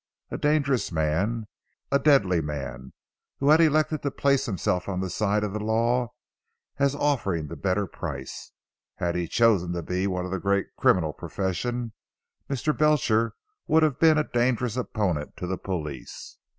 A dangerous man, a deadly man, who had elected to place himself on the side of the law, as offering the better price. Had he chosen to be one of the great criminal profession, Mr. Belcher would have been a dangerous opponent to the police.